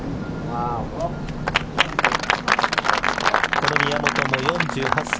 この宮本も４８歳。